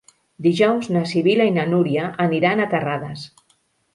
Dijous na Sibil·la i na Núria aniran a Terrades.